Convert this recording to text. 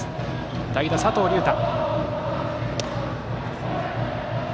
代打、佐藤龍太。